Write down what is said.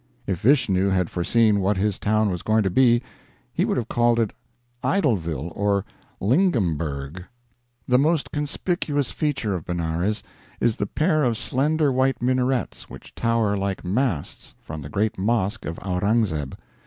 If Vishnu had foreseen what his town was going to be, he would have called it Idolville or Lingamburg. The most conspicuous feature of Benares is the pair of slender white minarets which tower like masts from the great Mosque of Aurangzeb.